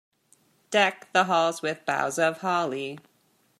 Deck the halls with boughs of holly.